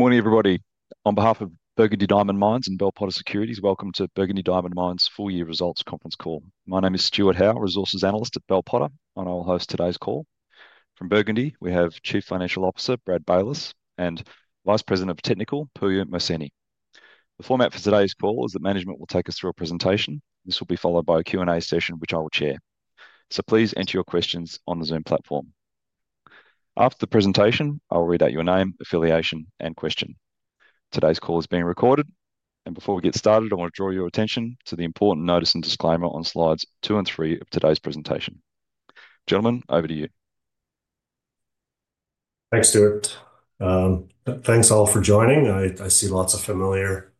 Good morning, everybody. On behalf of Burgundy Diamond Mines and Bell Potter Securities, welcome to Burgundy Diamond Mines' full-year results conference call. My name is Stuart Howe, Resources Analyst at Bell Potter, and I will host today's call. From Burgundy, we have Chief Financial Officer Brad Baylis and Vice President of Technical, Pooya Mohseni. The format for today's call is that management will take us through a presentation. This will be followed by a Q&A session, which I will chair. Please enter your questions on the Zoom platform. After the presentation, I will read out your name, affiliation, and question. Today's call is being recorded, and before we get started, I want to draw your attention to the important notice and disclaimer on slides two and three of today's presentation. Gentlemen, over to you. Thanks, Stuart. Thanks all for joining. I see lots of familiar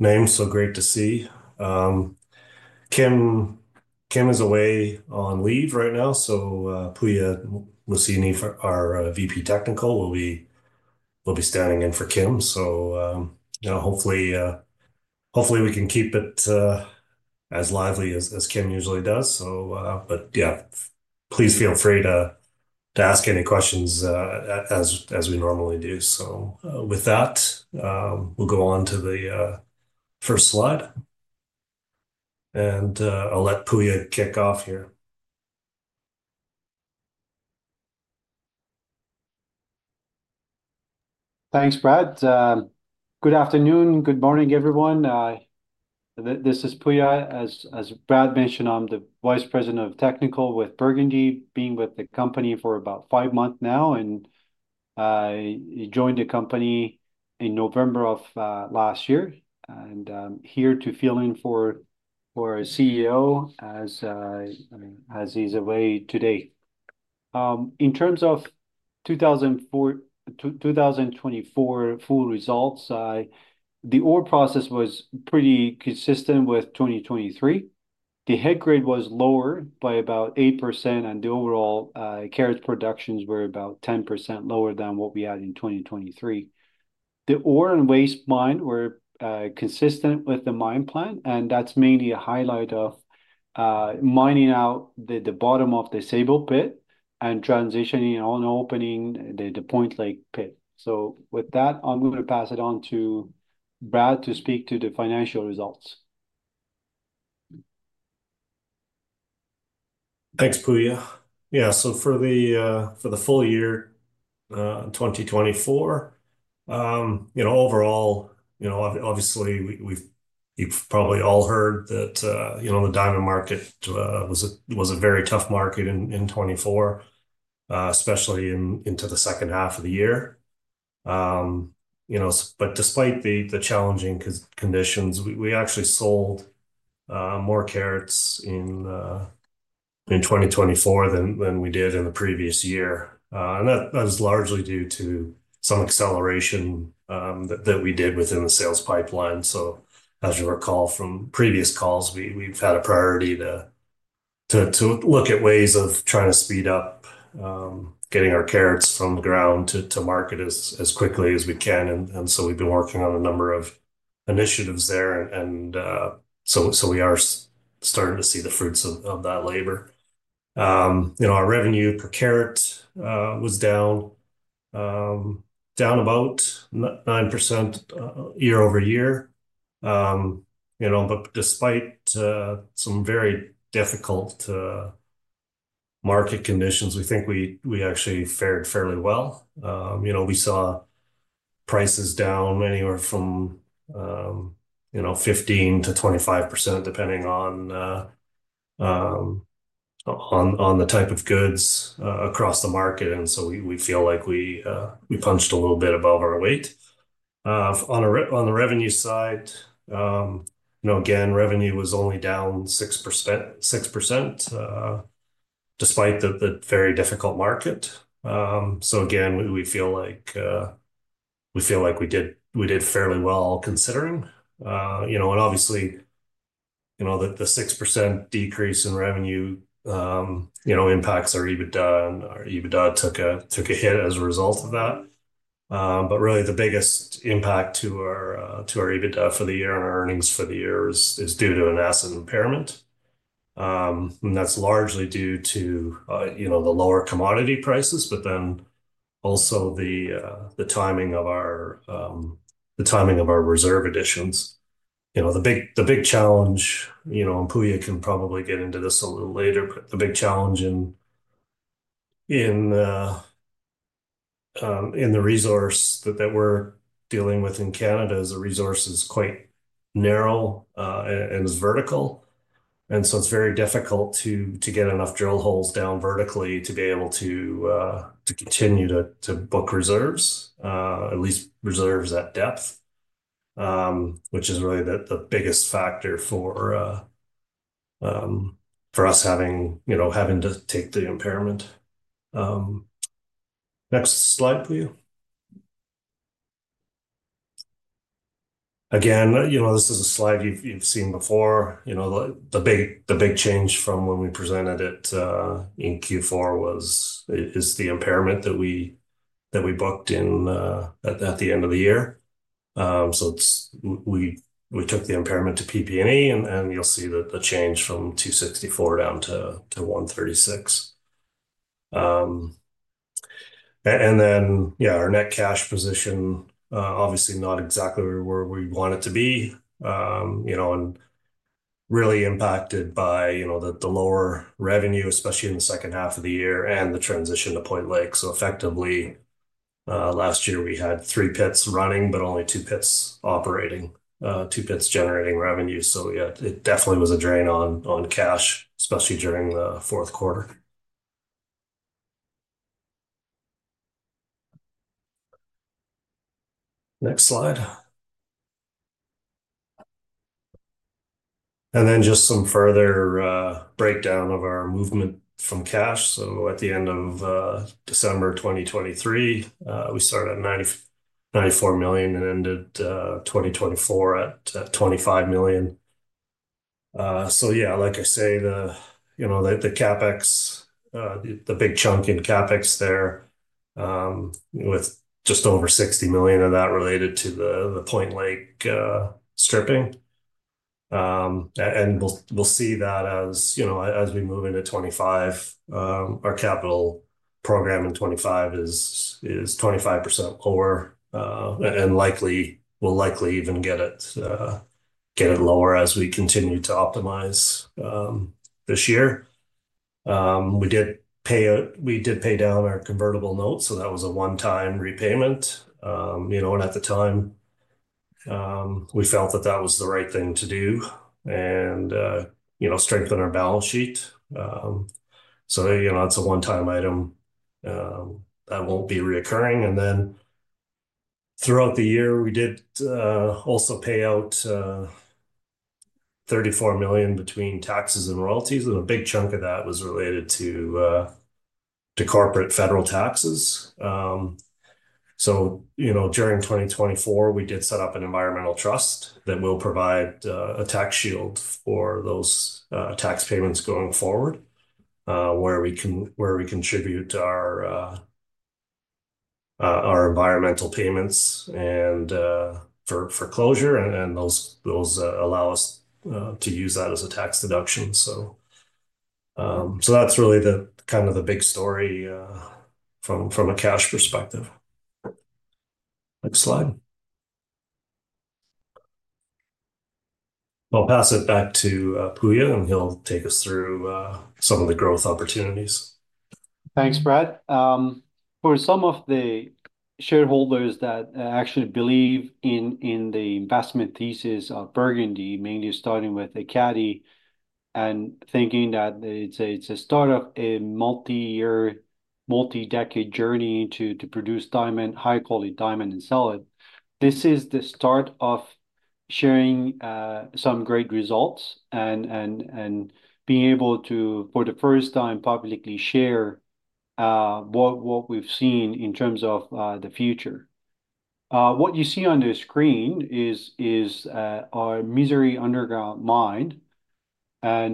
names, so great to see. Kim is away on leave right now, so Pooya Mohseni, our VP Technical, will be standing in for Kim. Hopefully we can keep it as lively as Kim usually does. Please feel free to ask any questions as we normally do. With that, we'll go on to the first slide, and I'll let Pooya kick off here. Thanks, Brad. Good afternoon. Good morning, everyone. This is Pooya. As Brad mentioned, I'm the Vice President of Technical with Burgundy, being with the company for about five months now. I joined the company in November of last year, and I'm here to fill in for our CEO as he's away today. In terms of 2024 full results, the ore process was pretty consistent with 2023. The head grade was lower by about 8%, and the overall carat productions were about 10% lower than what we had in 2023. The ore and waste mined were consistent with the mine plan, and that's mainly a highlight of mining out the bottom of the Sable Pit and transitioning on opening the Point Lake Pit. With that, I'm going to pass it on to Brad to speak to the financial results. Thanks, Pooya. Yeah, so for the full year 2024, overall, obviously, you've probably all heard that the diamond market was a very tough market in 2024, especially into the second half of the year. Despite the challenging conditions, we actually sold more carats in 2024 than we did in the previous year. That was largely due to some acceleration that we did within the sales pipeline. As you recall from previous calls, we've had a priority to look at ways of trying to speed up getting our carats from the ground to market as quickly as we can. We've been working on a number of initiatives there, and we are starting to see the fruits of that labor. Our revenue per carat was down about 9% year-over-year. Despite some very difficult market conditions, we think we actually fared fairly well. We saw prices down anywhere from 15% to 25%, depending on the type of goods across the market. We feel like we punched a little bit above our weight. On the revenue side, again, revenue was only down 6% despite the very difficult market. We feel like we did fairly well considering. Obviously, the 6% decrease in revenue impacts our EBITDA. Our EBITDA took a hit as a result of that. The biggest impact to our EBITDA for the year and our earnings for the year is due to an asset impairment. That is largely due to the lower commodity prices, but then also the timing of our reserve additions. The big challenge, and Pooya can probably get into this a little later, but the big challenge in the resource that we're dealing with in Canada is the resource is quite narrow and is vertical. It is very difficult to get enough drill holes down vertically to be able to continue to book reserves, at least reserves at depth, which is really the biggest factor for us having to take the impairment. Next slide, Pooya. Again, this is a slide you've seen before. The big change from when we presented it in Q4 is the impairment that we booked at the end of the year. We took the impairment to PP&E, and you'll see the change from 264 down to 136. Yeah, our net cash position, obviously, not exactly where we want it to be, and really impacted by the lower revenue, especially in the second half of the year and the transition to Point Lake. Effectively, last year, we had three pits running, but only two pits operating, two pits generating revenue. It definitely was a drain on cash, especially during the fourth quarter. Next slide. Just some further breakdown of our movement from cash. At the end of December 2023, we started at 94 million and ended 2024 at 25 million. Like I say, the big chunk in CapEx there with just over 60 million of that related to the Point Lake stripping. We will see that as we move into 2025. Our capital program in 2025 is 25% lower and will likely even get it lower as we continue to optimize this year. We did pay down our convertible notes, so that was a one-time repayment. At the time, we felt that that was the right thing to do and strengthen our balance sheet. That is a one-time item that will not be reoccurring. Throughout the year, we did also pay out 34 million between taxes and royalties, and a big chunk of that was related to corporate federal taxes. During 2024, we did set up an environmental trust that will provide a tax shield for those tax payments going forward where we contribute our environmental payments for closure, and those allow us to use that as a tax deduction. That is really kind of the big story from a cash perspective. Next slide. I'll pass it back to Pooya, and he'll take us through some of the growth opportunities. Thanks, Brad. For some of the shareholders that actually believe in the investment thesis of Burgundy, mainly starting with the Ekati and thinking that it's a start of a multi-decade journey to produce high-quality diamond and sell it, this is the start of sharing some great results and being able to, for the first time, publicly share what we've seen in terms of the future. What you see on the screen is our Misery Underground Mine. As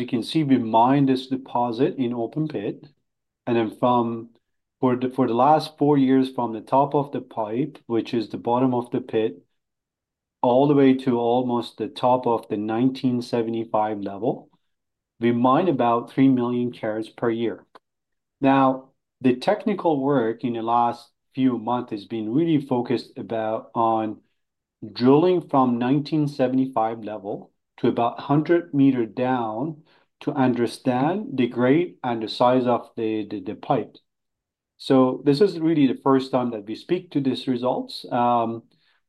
you can see, we mined this deposit in open pit. For the last four years, from the top of the pipe, which is the bottom of the pit, all the way to almost the top of the 1975 level, we mined about 3 million carats per year. Now, the technical work in the last few months has been really focused on drilling from 1975 level to about 100 m down to understand the grade and the size of the pipe. This is really the first time that we speak to these results.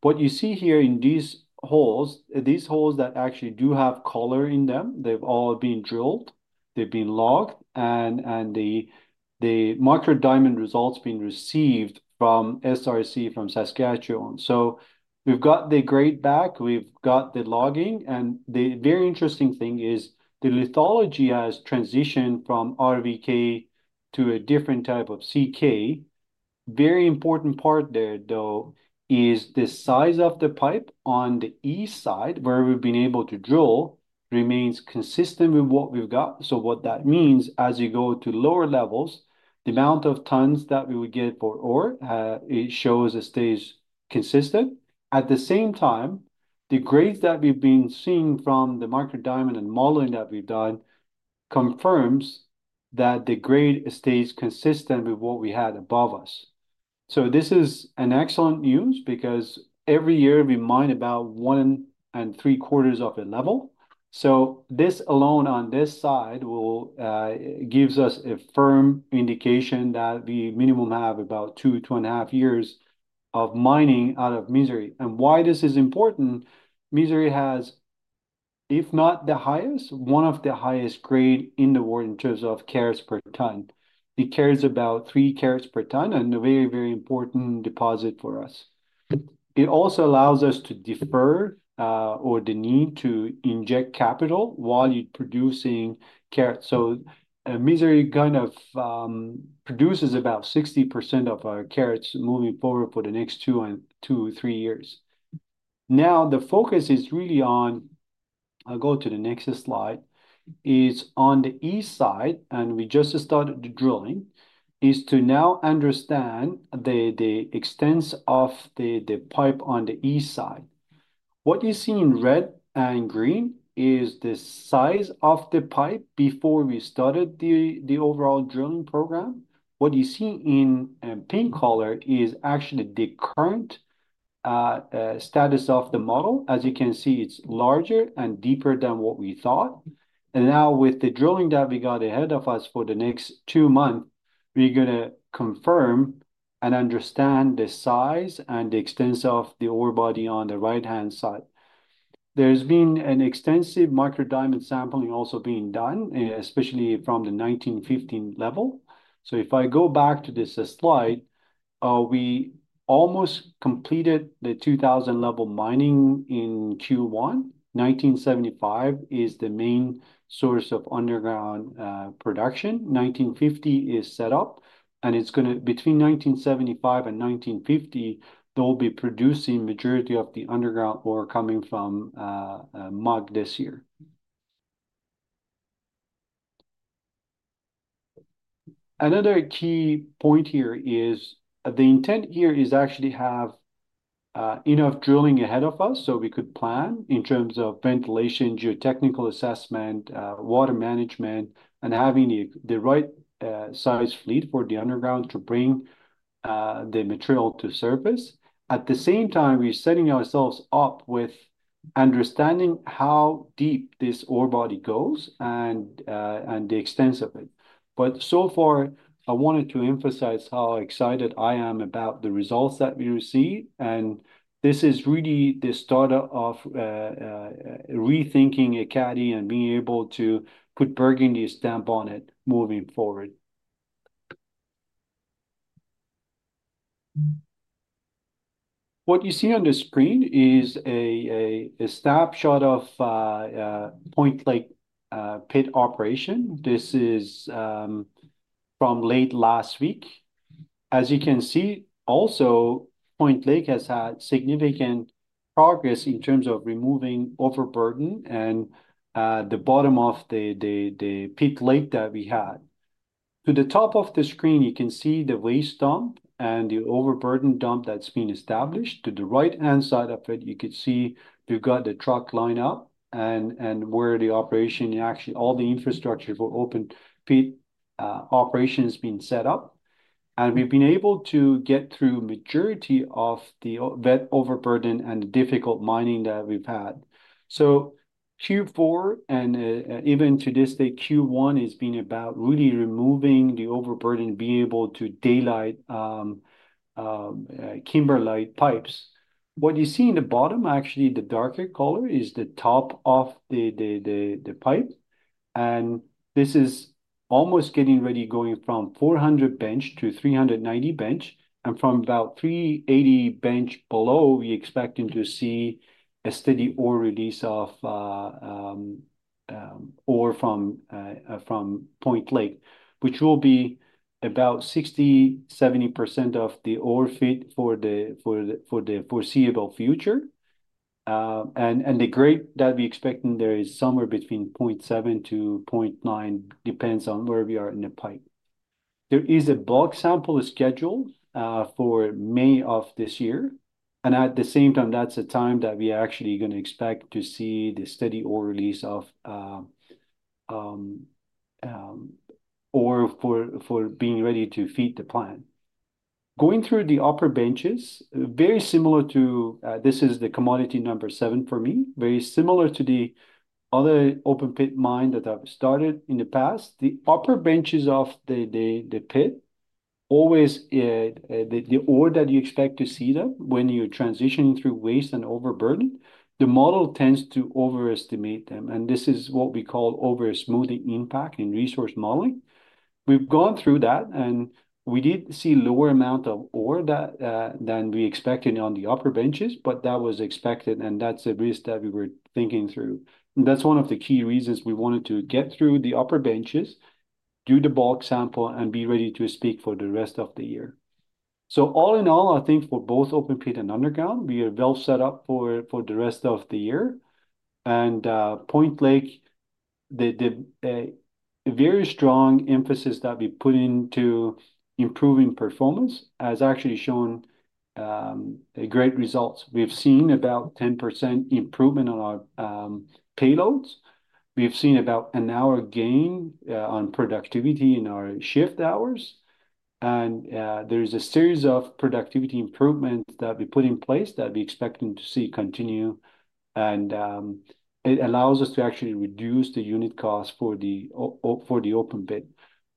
What you see here in these holes, these holes that actually do have color in them, they've all been drilled, they've been logged, and the micro diamond results have been received from SRC from Saskatchewan. We've got the grade back, we've got the logging, and the very interesting thing is the lithology has transitioned from RVK to a different type of CK. Very important part there, though, is the size of the pipe on the east side where we've been able to drill remains consistent with what we've got. What that means, as you go to lower levels, the amount of tons that we would get for ore, it shows it stays consistent. At the same time, the grades that we've been seeing from the micro diamond and modeling that we've done confirms that the grade stays consistent with what we had above us. This is excellent news because every year we mine about one and three quarters of a level. This alone on this side gives us a firm indication that we minimum have about two, two and a half years of mining out of Misery. Why this is important: Misery has, if not the highest, one of the highest grades in the world in terms of carats per ton. It carries about three carats per ton and a very, very important deposit for us. It also allows us to defer or the need to inject capital while you're producing carats. Misery kind of produces about 60% of our carats moving forward for the next two, three, four years. Now, the focus is really on—I will go to the next slide—is on the east side, and we just started drilling, is to now understand the extents of the pipe on the east side. What you see in red and green is the size of the pipe before we started the overall drilling program. What you see in pink color is actually the current status of the model. As you can see, it is larger and deeper than what we thought. Now, with the drilling that we got ahead of us for the next two months, we are going to confirm and understand the size and the extents of the ore body on the right-hand side. There's been an extensive micro diamond sampling also being done, especially from the 1915 level. If I go back to this slide, we almost completed the 2000 level mining in Q1. 1975 is the main source of underground production. 1950 is set up, and between 1975 and 1950, they'll be producing the majority of the underground ore coming from MUG this year. Another key point here is the intent here is actually to have enough drilling ahead of us so we could plan in terms of ventilation, geotechnical assessment, water management, and having the right-sized fleet for the underground to bring the material to surface. At the same time, we're setting ourselves up with understanding how deep this ore body goes and the extents of it. I wanted to emphasize how excited I am about the results that we received. This is really the start of rethinking Ekati and being able to put Burgundy's stamp on it moving forward. What you see on the screen is a snapshot of Point Lake Pit operation. This is from late last week. As you can see, also, Point Lake has had significant progress in terms of removing overburden and the bottom of the pit lake that we had. To the top of the screen, you can see the waste dump and the overburden dump that's been established. To the right-hand side of it, you could see we've got the truck line up and where the operation, actually, all the infrastructure for open pit operations has been set up. We've been able to get through the majority of that overburden and the difficult mining that we've had. Q4, and even to this day, Q1 has been about really removing the overburden and being able to daylight kimberlite pipes. What you see in the bottom, actually, the darker color is the top of the pipe. This is almost getting ready going from 400 bench to 390 bench. From about 380 bench below, we expect to see a steady ore release of ore from Point Lake, which will be about 60%-70% of the ore fit for the foreseeable future. The grade that we're expecting there is somewhere between 0.7-0.9, depends on where we are in the pipe. There is a bulk sample scheduled for May of this year. At the same time, that's the time that we're actually going to expect to see the steady ore release of ore for being ready to feed the plant. Going through the upper benches, very similar to this is the commodity number seven for me, very similar to the other open pit mine that I've started in the past. The upper benches of the pit, always the ore that you expect to see them when you're transitioning through waste and overburden, the model tends to overestimate them. This is what we call over-smoothing impact in resource modeling. We've gone through that, and we did see a lower amount of ore than we expected on the upper benches, but that was expected, and that's the risk that we were thinking through. That's one of the key reasons we wanted to get through the upper benches, do the bulk sample, and be ready to speak for the rest of the year. All in all, I think for both open pit and underground, we are well set up for the rest of the year. Point Lake, a very strong emphasis that we put into improving performance, has actually shown great results. We've seen about 10% improvement on our payloads. We've seen about an hour gain on productivity in our shift hours. There is a series of productivity improvements that we put in place that we're expecting to see continue. It allows us to actually reduce the unit cost for the open pit.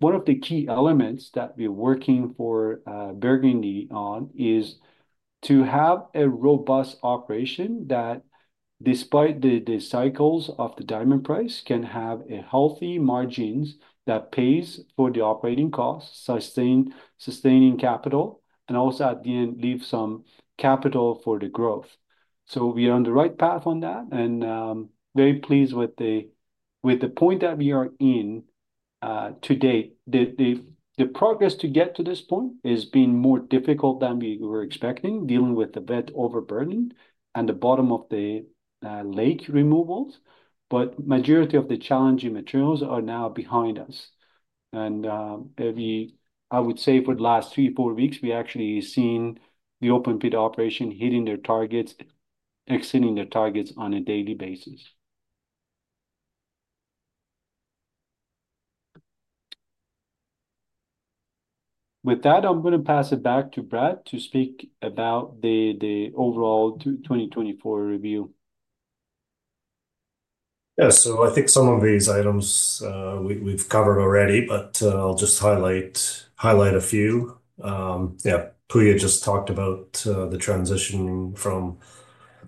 One of the key elements that we're working for Burgundy on is to have a robust operation that, despite the cycles of the diamond price, can have healthy margins that pay for the operating costs, sustain capital, and also at the end, leave some capital for the growth. We are on the right path on that and very pleased with the point that we are in today. The progress to get to this point has been more difficult than we were expecting, dealing with the bed overburden and the bottom of the lake removals. The majority of the challenging materials are now behind us. I would say for the last three, four weeks, we actually seen the open pit operation hitting their targets, exceeding their targets on a daily basis. With that, I'm going to pass it back to Brad to speak about the overall 2024 review. Yeah. I think some of these items we've covered already, but I'll just highlight a few. Yeah. Pooya just talked about the transition from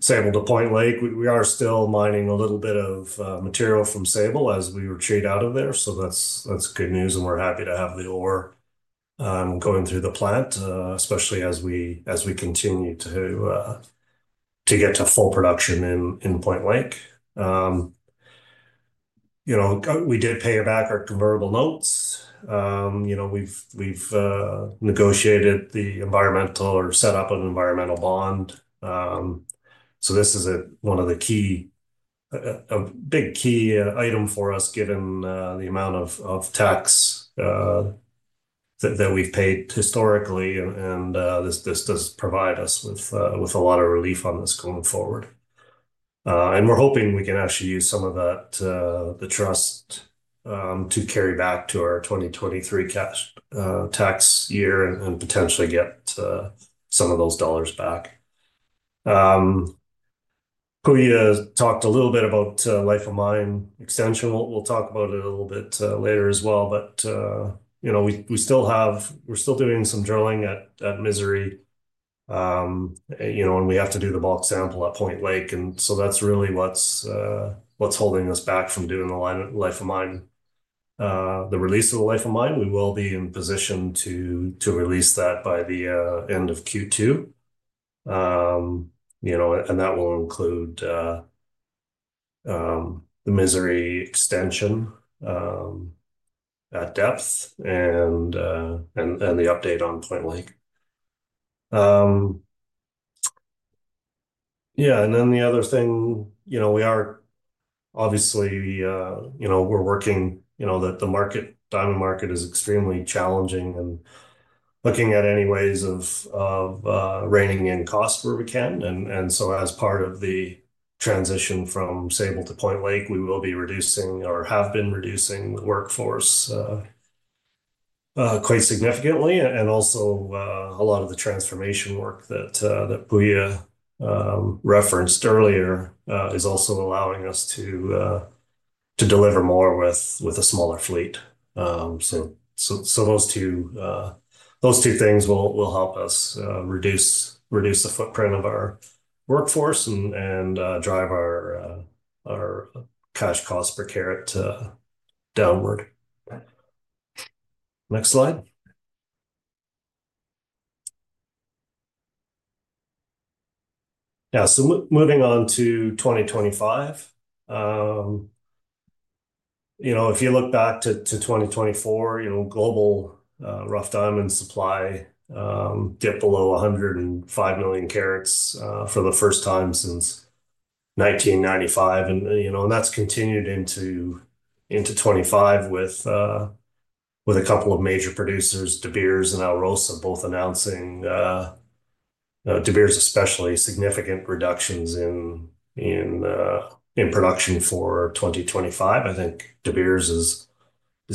Sable to Point Lake. We are still mining a little bit of material from Sable as we retreat out of there. That is good news, and we're happy to have the ore going through the plant, especially as we continue to get to full production in Point Lake. We did pay back our convertible notes. We've negotiated the environmental or set up an environmental bond. This is one of the key, a big key item for us, given the amount of tax that we've paid historically. This does provide us with a lot of relief on this going forward. We're hoping we can actually use some of the trust to carry back to our 2023 tax year and potentially get some of those dollars back. Pooya talked a little bit about life of mine extension. We'll talk about it a little bit later as well. We're still doing some drilling at Misery, and we have to do the bulk sample at Point Lake. That's really what's holding us back from doing the life of mine. The release of the life of mine, we will be in position to release that by the end of Q2. That will include the Misery extension at depth and the update on Point Lake. Yeah. The other thing, we are obviously working that the diamond market is extremely challenging and looking at any ways of reigning in cost where we can. As part of the transition from Sable to Point Lake, we will be reducing or have been reducing the workforce quite significantly. Also, a lot of the transformation work that Pooya referenced earlier is allowing us to deliver more with a smaller fleet. Those two things will help us reduce the footprint of our workforce and drive our cash cost per carat downward. Next slide. Yeah. Moving on to 2025. If you look back to 2024, global rough diamond supply dipped below 105 million carats for the first time since 1995. That has continued into 2025 with a couple of major producers, De Beers and Alrosa, both announcing, De Beers especially, significant reductions in production for 2025. I think De Beers is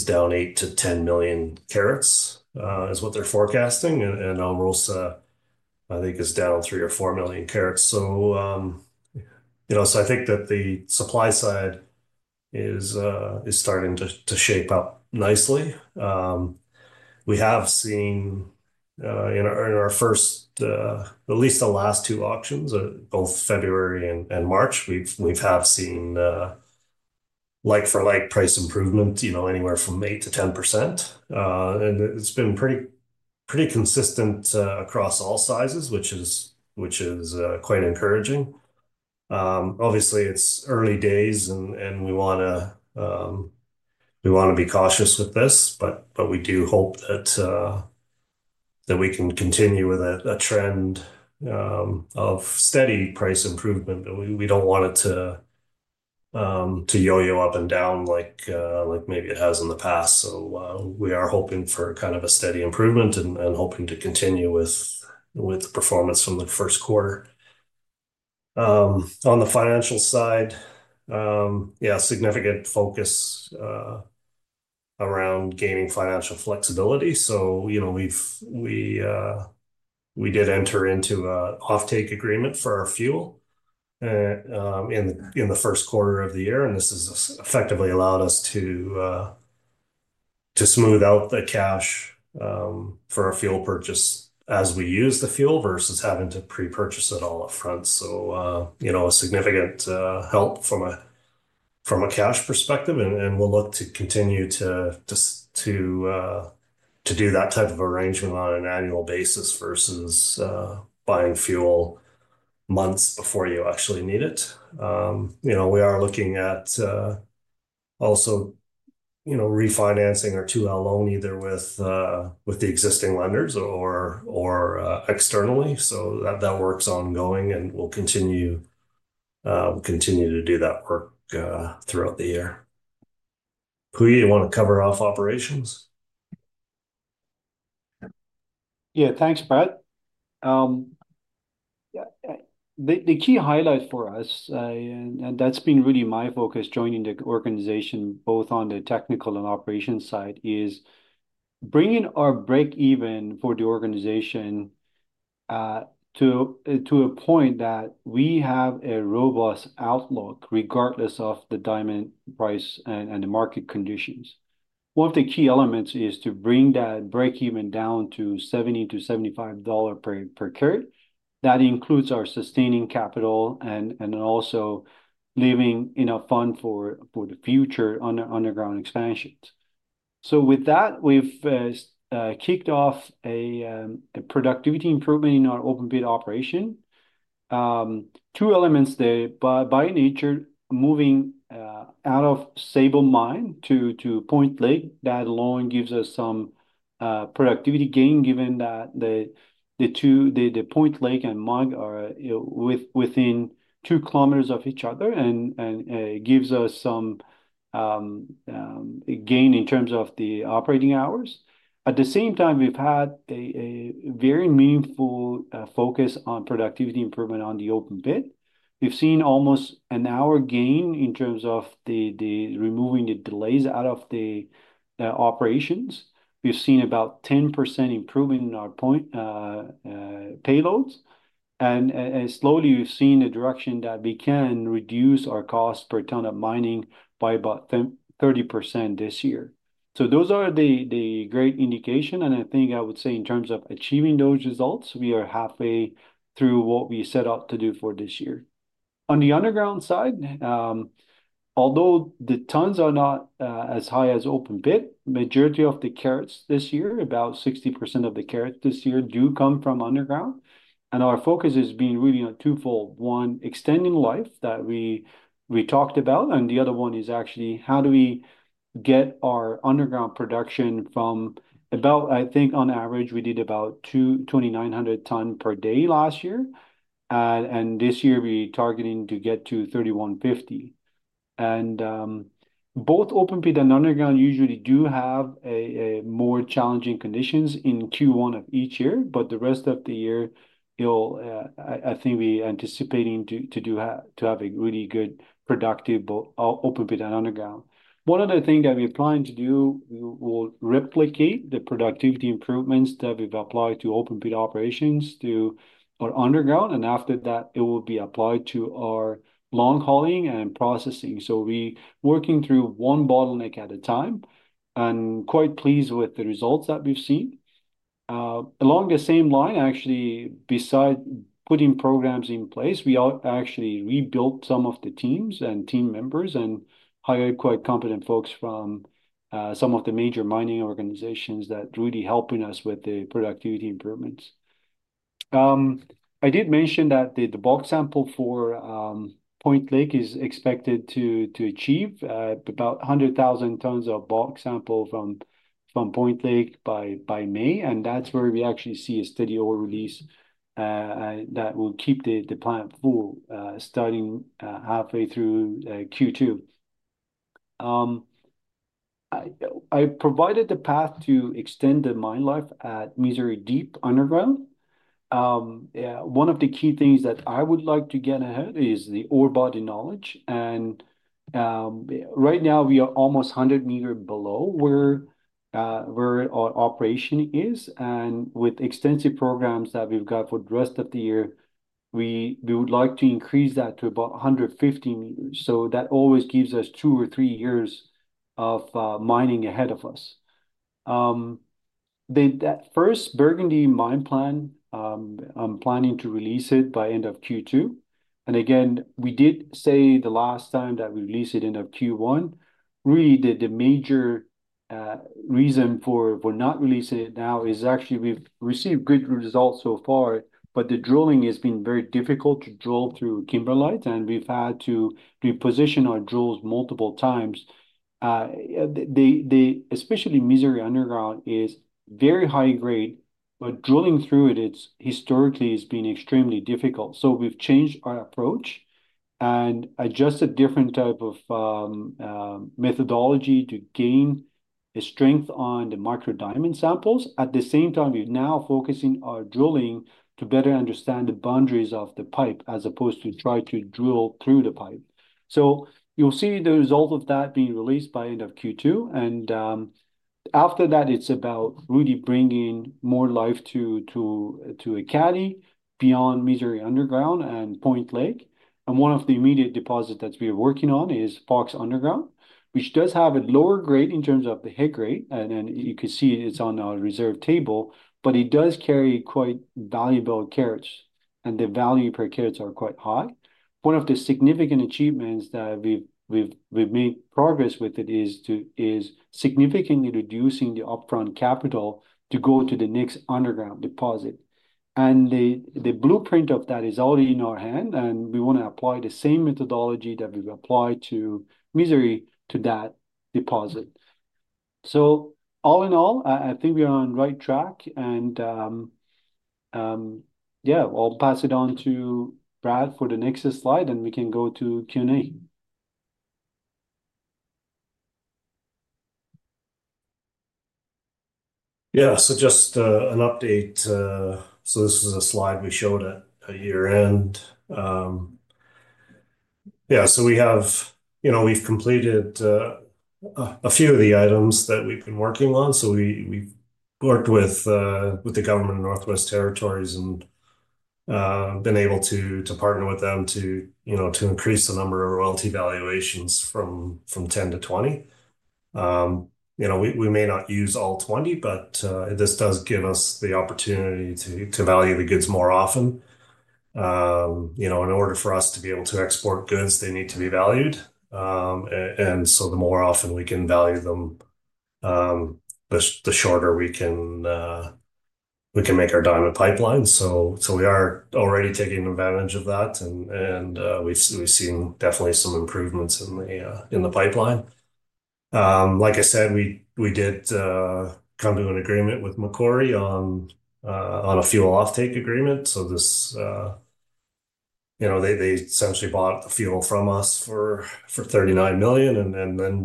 down 8 million-10 million carats is what they are forecasting. Alrosa, I think, is down 3 million or 4 million carats. I think that the supply side is starting to shape up nicely. We have seen in our first, at least the last two auctions, both February and March, we have seen like-for-like price improvement anywhere from 8%-10%. It has been pretty consistent across all sizes, which is quite encouraging. Obviously, it is early days, and we want to be cautious with this. We do hope that we can continue with a trend of steady price improvement. We do not want it to yo-yo up and down like maybe it has in the past. We are hoping for kind of a steady improvement and hoping to continue with performance from the first quarter. On the financial side, significant focus around gaining financial flexibility. We did enter into an offtake agreement for our fuel in the first quarter of the year. This has effectively allowed us to smooth out the cash for our fuel purchase as we use the fuel versus having to pre-purchase it all upfront. A significant help from a cash perspective. We will look to continue to do that type of arrangement on an annual basis versus buying fuel months before you actually need it. We are looking .also refinancing our 2L loan either with the existing lenders or externally. That work is ongoing, and we will continue to do that work throughout the year. Pooya, you want to cover off operations? Yeah. Thanks, Brad. The key highlight for us, and that's been really my focus joining the organization both on the technical and operations side, is bringing our break-even for the organization to a point that we have a robust outlook regardless of the diamond price and the market conditions. One of the key elements is to bring that break-even down to $70-$75 per carat. That includes our sustaining capital and then also leaving enough fund for the future underground expansions. With that, we've kicked off a productivity improvement in our open pit operation. Two elements there. By nature, moving out of Sable mine to Point Lake, that alone gives us some productivity gain given that the Point Lake and MUG are within 2 km of each other and gives us some gain in terms of the operating hours. At the same time, we've had a very meaningful focus on productivity improvement on the open pit. We've seen almost an hour gain in terms of removing the delays out of the operations. We've seen about 10% improvement in our payloads. Slowly, we've seen a direction that we can reduce our cost per ton of mining by about 30% this year. Those are the great indication. I think I would say in terms of achieving those results, we are halfway through what we set out to do for this year. On the underground side, although the tons are not as high as open pit, the majority of the carats this year, about 60% of the carats this year, do come from underground. Our focus has been really on twofold. One, extending life that we talked about. The other one is how do we get our underground production from about, I think, on average, we did about 2,900 ton per day last year. This year, we're targeting to get to 3,150 ton. Both open pit and underground usually do have more challenging conditions in Q1 of each year. The rest of the year, I think we're anticipating to have a really good productive open pit and underground. One other thing that we're planning to do, we'll replicate the productivity improvements that we've applied to open pit operations for underground. After that, it will be applied to our long hauling and processing. We're working through one bottleneck at a time and quite pleased with the results that we've seen. Along the same line, actually, besides putting programs in place, we actually rebuilt some of the teams and team members and hired quite competent folks from some of the major mining organizations that are really helping us with the productivity improvements. I did mention that the bulk sample for Point Lake is expected to achieve about 100,000 tons of bulk sample from Point Lake by May. That is where we actually see a steady ore release that will keep the plant full starting halfway through Q2. I provided the path to extend the mine life at Misery Underground. One of the key things that I would like to get ahead is the ore body knowledge. Right now, we are almost 100 m below where our operation is. With extensive programs that we've got for the rest of the year, we would like to increase that to about 150 m. That always gives us two or three years of mining ahead of us. That first Burgundy mine plan, I'm planning to release it by end of Q2. We did say the last time that we released it in Q1, really the major reason for not releasing it now is actually we've received good results so far, but the drilling has been very difficult to drill through kimberlite. We've had to reposition our drills multiple times. Especially Misery Underground is very high grade, but drilling through it historically has been extremely difficult. We've changed our approach and adjusted different types of methodology to gain strength on the micro diamond samples. At the same time, we're now focusing our drilling to better understand the boundaries of the pipe as opposed to try to drill through the pipe. You will see the result of that being released by end of Q2. After that, it's about really bringing more life to Ekati beyond Misery Underground and Point Lake. One of the immediate deposits that we are working on is Fox Underground, which does have a lower grade in terms of the head grade. You can see it's on our reserve table, but it does carry quite valuable carats. The value per carat is quite high. One of the significant achievements that we've made progress with is significantly reducing the upfront capital to go to the next underground deposit. The blueprint of that is already in our hand. We want to apply the same methodology that we've applied to Misery to that deposit. All in all, I think we are on the right track. Yeah, I'll pass it on to Brad for the next slide, and we can go to Q&A. Yeah. Just an update. This was a slide we showed at year-end. We've completed a few of the items that we've been working on. We've worked with the government of Northwest Territories and been able to partner with them to increase the number of royalty valuations from 10 to 20. We may not use all 20, but this does give us the opportunity to value the goods more often. In order for us to be able to export goods, they need to be valued. The more often we can value them, the shorter we can make our diamond pipeline. We are already taking advantage of that. We've seen definitely some improvements in the pipeline. Like I said, we did come to an agreement with Macquarie on a fuel offtake agreement. They essentially bought the fuel from us for 39 million.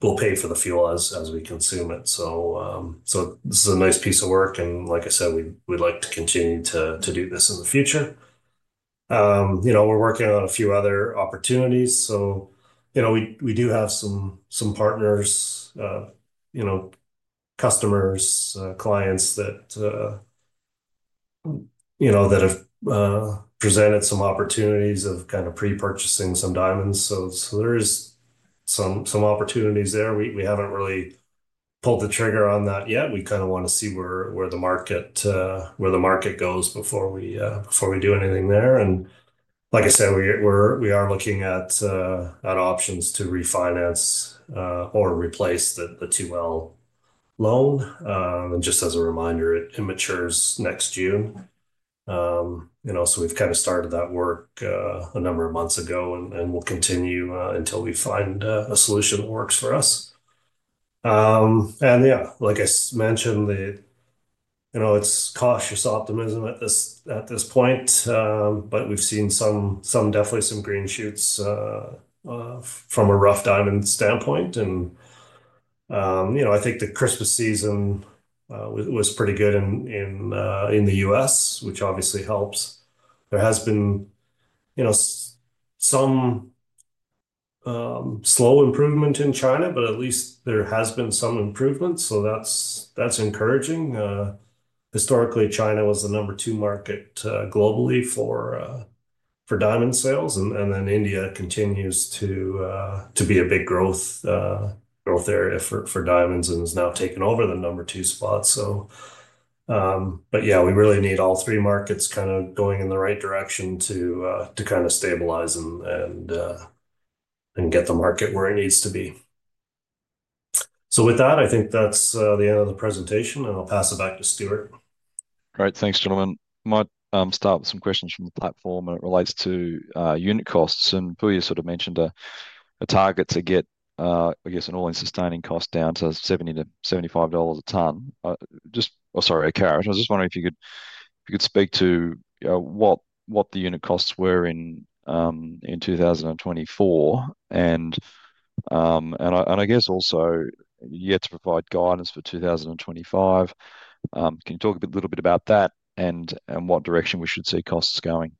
We will pay for the fuel as we consume it. This is a nice piece of work. Like I said, we'd like to continue to do this in the future. We are working on a few other opportunities. We do have some partners, customers, clients that have presented some opportunities of kind of pre-purchasing some diamonds. There are some opportunities there. We have not really pulled the trigger on that yet. We want to see where the market goes before we do anything there. Like I said, we are looking at options to refinance or replace the 2L loan. Just as a reminder, it matures next June. We started that work a number of months ago, and we will continue until we find a solution that works for us. Like I mentioned, it is cautious optimism at this point. We've seen definitely some green shoots from a rough diamond standpoint. I think the Christmas season was pretty good in the U.S., which obviously helps. There has been some slow improvement in China, but at least there has been some improvement. That's encouraging. Historically, China was the number two market globally for diamond sales. India continues to be a big growth area for diamonds and has now taken over the number two spot. We really need all three markets kind of going in the right direction to kind of stabilize and get the market where it needs to be. I think that's the end of the presentation. I'll pass it back to Stuart. All right. Thanks, gentlemen. Might start with some questions from the platform as it relates to unit costs. Pooya sort of mentioned a target to get, I guess, an all-in sustaining cost down to $70-$75 a carat. I was just wondering if you could speak to what the unit costs were in 2024. I guess also you had to provide guidance for 2025. Can you talk a little bit about that and what direction we should see costs going?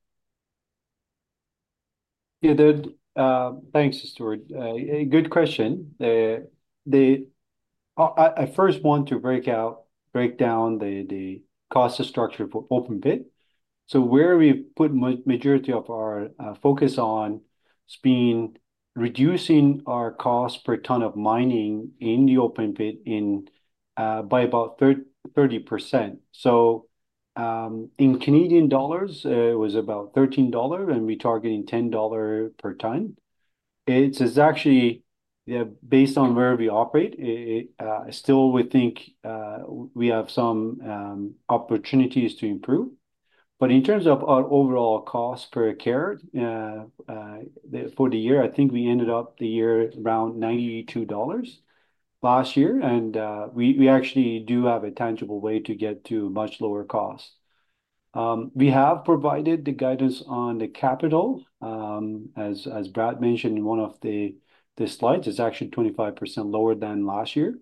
Yeah. Thanks, Stuart. Good question. I first want to break down the cost structure for open pit. Where we've put the majority of our focus on has been reducing our cost per ton of mining in the open pit by about 30%. In 13 dollars, and we're targeting 10 dollars per ton. It's actually based on where we operate. Still, we think we have some opportunities to improve. In terms of our overall cost per carat for the year, I think we ended up the year around $92 last year. We actually do have a tangible way to get to much lower costs. We have provided the guidance on the capital. As Brad mentioned in one of the slides, it's actually 25% lower than last year.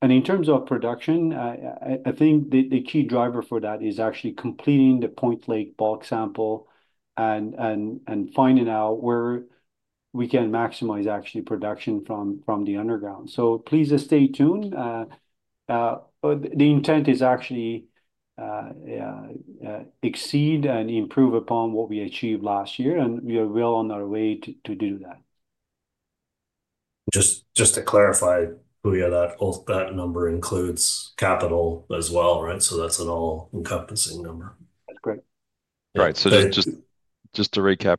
In terms of production, I think the key driver for that is actually completing the Point Lake bulk sample and finding out where we can maximize actually production from the underground. Please stay tuned. The intent is actually to exceed and improve upon what we achieved last year. We are well on our way to do that. Just to clarify, Pooya, that number includes capital as well, right? That is an all-encompassing number. That's correct. All right. Just to recap,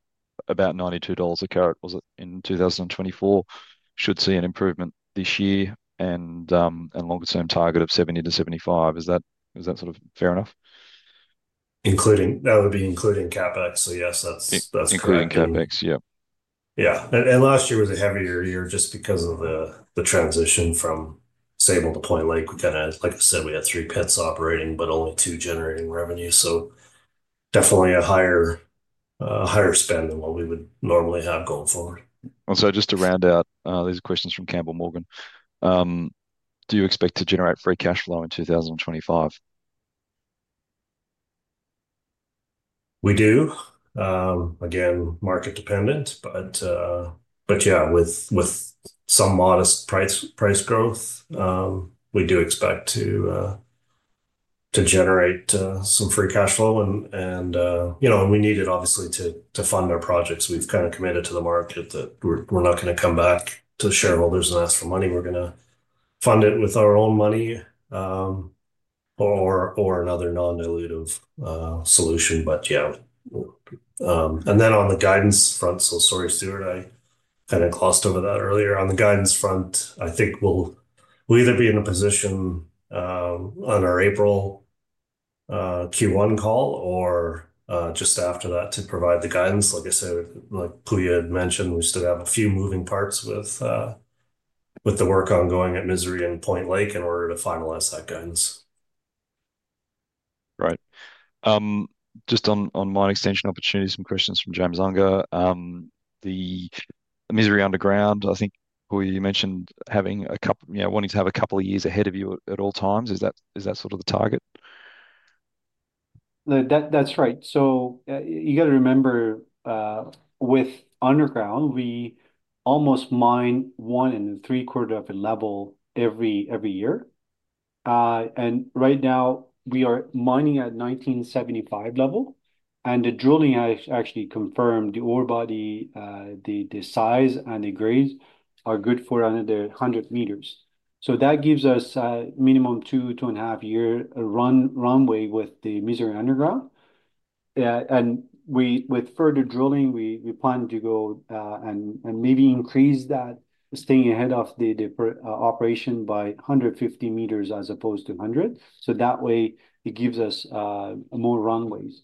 about $92 a carat in 2024. Should see an improvement this year and a longer-term target of 70-75. Is that sort of fair enough? That would be including CapEx. Yes, that's correct. Including CapEx, yeah. Yeah. Last year was a heavier year just because of the transition from Sable to Point Lake. Like I said, we had three pits operating, but only two generating revenue. Definitely a higher spend than what we would normally have going forward. Also, just to round out, these are questions from Campbell Morgan. Do you expect to generate free cash flow in 2025? We do. Again, market-dependent. Yeah, with some modest price growth, we do expect to generate some free cash flow. We need it, obviously, to fund our projects. We've kind of committed to the market that we're not going to come back to the shareholders and ask for money. We're going to fund it with our own money or another non-dilutive solution. Yeah. On the guidance front, sorry, Stuart, I kind of glossed over that earlier. On the guidance front, I think we'll either be in a position on our April Q1 call or just after that to provide the guidance. Like I said, like Pooya had mentioned, we still have a few moving parts with the work ongoing at Misery and Point Lake in order to finalize that guidance. Right. Just on mine extension opportunity, some questions from James Unger. The Misery Underground, I think Pooya mentioned wanting to have a couple of years ahead of you at all times. Is that sort of the target? That's right. You got to remember, with underground, we almost mine one and three-quarter of a level every year. Right now, we are mining at 1975 level. The drilling has actually confirmed the ore body, the size, and the grades are good for under 100 m. That gives us a minimum two to two-and-a-half-year runway with the Misery Underground. With further drilling, we plan to go and maybe increase that, staying ahead of the operation by 150 m as opposed to 100 m. That way, it gives us more runways.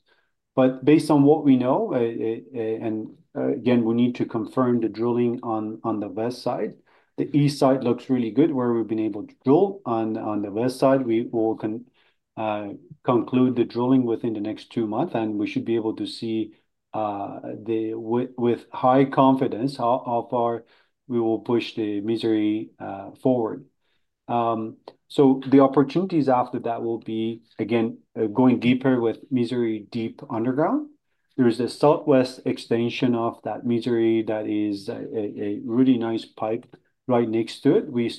Based on what we know, and again, we need to confirm the drilling on the west side. The east side looks really good where we've been able to drill. On the west side, we will conclude the drilling within the next two months. We should be able to see with high confidence how far we will push the Misery forward. The opportunities after that will be, again, going deeper with Misery Deep Underground. There is a southwest extension of that Misery that is a really nice pipe right next to it. We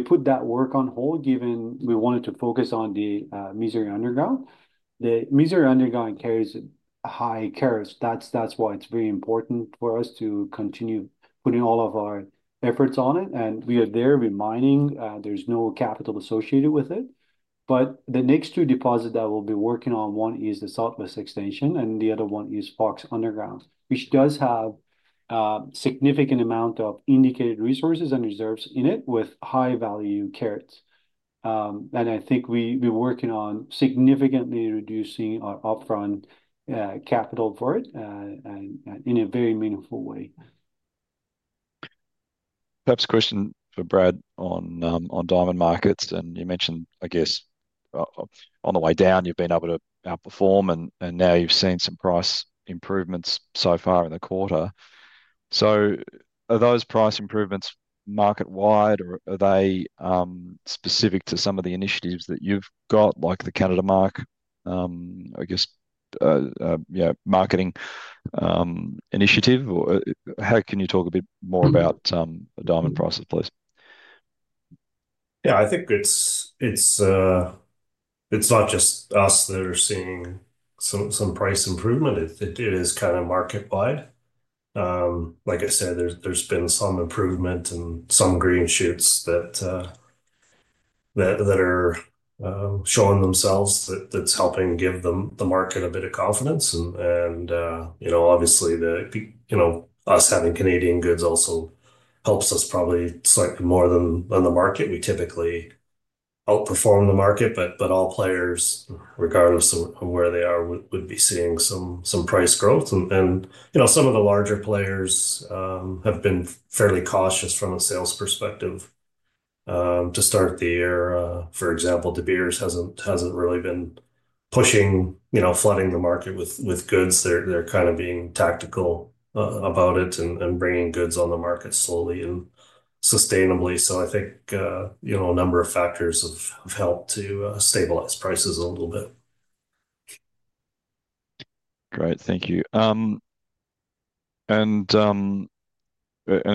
put that work on hold given we wanted to focus on the Misery underground. The Misery underground carries high carats. That's why it's very important for us to continue putting all of our efforts on it. We are there reminding there's no capital associated with it. The next two deposits that we'll be working on, one is the southwest extension, and the other one is Fox underground, which does have a significant amount of indicated resources and reserves in it with high-value carats. I think we're working on significantly reducing our upfront capital for it in a very meaningful way. Perhaps a question for Brad on diamond markets. You mentioned, I guess, on the way down, you have been able to outperform. You have seen some price improvements so far in the quarter. Are those price improvements market-wide, or are they specific to some of the initiatives that you have, like the Canadamark, I guess, marketing initiative? Can you talk a bit more about diamond prices, please? Yeah. I think it's not just us that are seeing some price improvement. It is kind of market-wide. Like I said, there's been some improvement and some green shoots that are showing themselves that's helping give the market a bit of confidence. Obviously, us having Canadian goods also helps us probably slightly more than the market. We typically outperform the market, but all players, regardless of where they are, would be seeing some price growth. Some of the larger players have been fairly cautious from a sales perspective to start the year. For example, De Beers hasn't really been pushing, flooding the market with goods. They're kind of being tactical about it and bringing goods on the market slowly and sustainably. I think a number of factors have helped to stabilize prices a little bit. Great. Thank you. In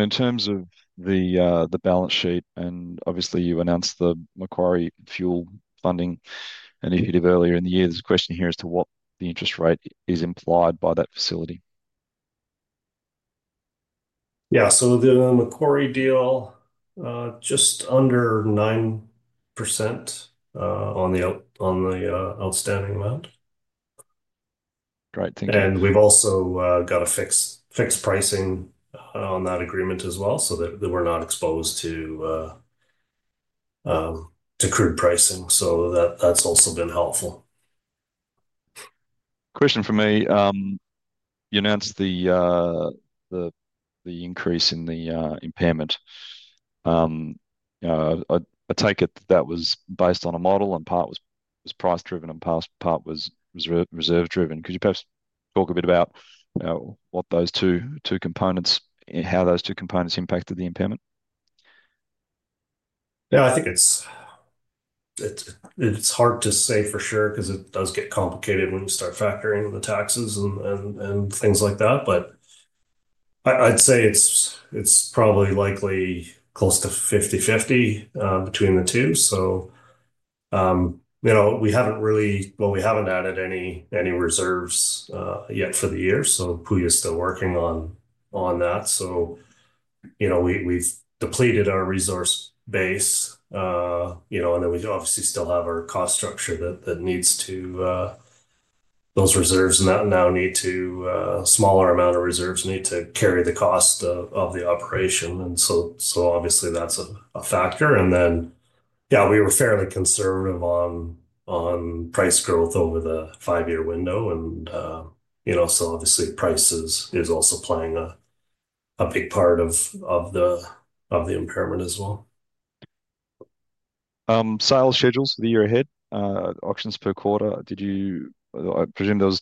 terms of the balance sheet, and obviously, you announced the Macquarie fuel funding initiative earlier in the year, there is a question here as to what the interest rate is implied by that facility. Yeah. The Macquarie deal, just under 9% on the outstanding amount. Great. Thank you. We've also got a fixed pricing on that agreement as well so that we're not exposed to crude pricing. That has also been helpful. Question for me. You announced the increase in the impairment. I take it that that was based on a model, and part was price-driven and part was reserve-driven. Could you perhaps talk a bit about what those two components and how those two components impacted the impairment? Yeah. I think it's hard to say for sure because it does get complicated when you start factoring in the taxes and things like that. I'd say it's probably likely close to 50/50 between the two. We haven't really, we haven't added any reserves yet for the year. Pooya is still working on that. We've depleted our resource base. We obviously still have our cost structure that needs to, those reserves now need to, a smaller amount of reserves need to carry the cost of the operation. Obviously, that's a factor. We were fairly conservative on price growth over the five-year window. Obviously, price is also playing a big part of the impairment as well. Sales schedules for the year ahead, auctions per quarter. I presume there was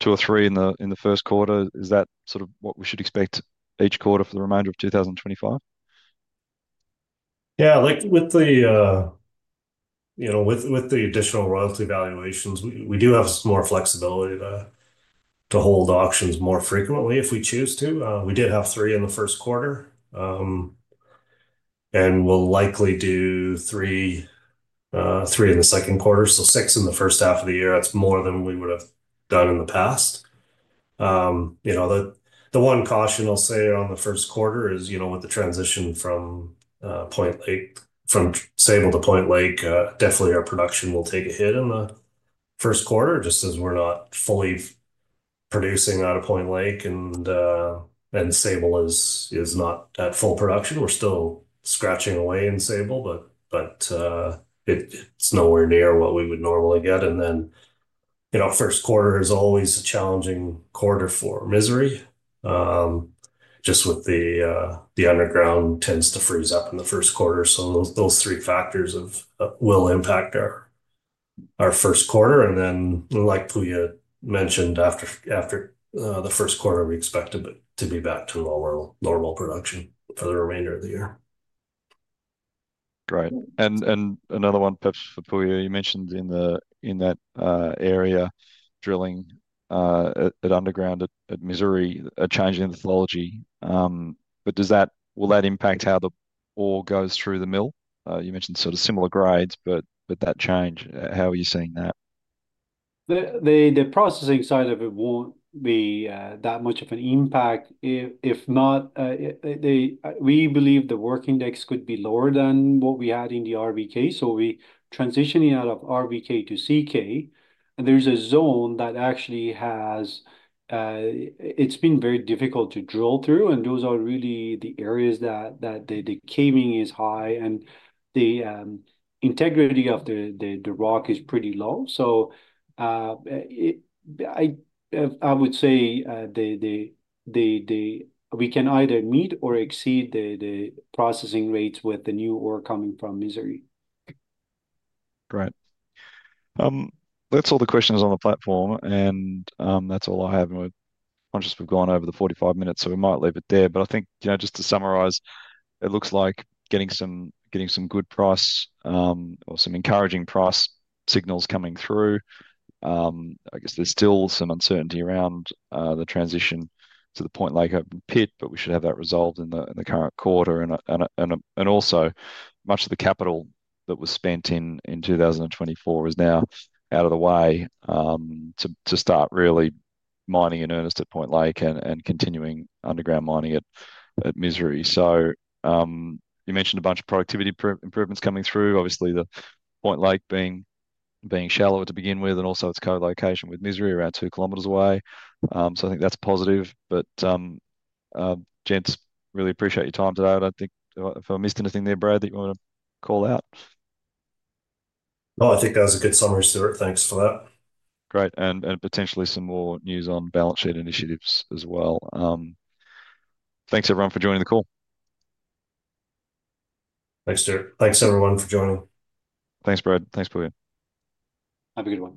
two or three in the first quarter. Is that sort of what we should expect each quarter for the remainder of 2025? Yeah. With the additional royalty valuations, we do have some more flexibility to hold auctions more frequently if we choose to. We did have three in the first quarter. We'll likely do three in the second quarter. Six in the first half of the year. That's more than we would have done in the past. The one caution I'll say on the first quarter is with the transition from Sable to Point Lake, definitely our production will take a hit in the first quarter just as we're not fully producing out of Point Lake and Sable is not at full production. We're still scratching away in Sable, but it's nowhere near what we would normally get. First quarter is always a challenging quarter for Misery. Just with the underground tends to freeze up in the first quarter. Those three factors will impact our first quarter. Like Pooya mentioned, after the first quarter, we expect to be back to normal production for the remainder of the year. Great. Another one, perhaps for Pooya, you mentioned in that area, drilling at underground at Misery, a change in the methodology. Will that impact how the ore goes through the mill? You mentioned sort of similar grades, but that change. How are you seeing that? The processing side of it won't be that much of an impact. If not, we believe the work index could be lower than what we had in the RVK. We are transitioning out of RVK to CK. There is a zone that actually has, it's been very difficult to drill through. Those are really the areas that the caving is high, and the integrity of the rock is pretty low. I would say we can either meet or exceed the processing rates with the new ore coming from Misery. Great. That's all the questions on the platform. That's all I have. I've just gone over the 45 minutes, so we might leave it there. I think just to summarize, it looks like getting some good price or some encouraging price signals coming through. I guess there's still some uncertainty around the transition to the Point Lake open pit, but we should have that resolved in the current quarter. Also, much of the capital that was spent in 2024 is now out of the way to start really mining in earnest at Point Lake and continuing underground mining at Misery. You mentioned a bunch of productivity improvements coming through. Obviously, the Point Lake being shallow to begin with and also its co-location with Misery around 2 km away. I think that's positive. Gents, really appreciate your time today. I don't think if I missed anything there, Brad, that you want to call out? No, I think that was a good summary, Stuart. Thanks for that. Great. Potentially some more news on balance sheet initiatives as well. Thanks, everyone, for joining the call. Thanks, Stuart. Thanks, everyone, for joining. Thanks, Brad. Thanks, Pooya. Have a good one.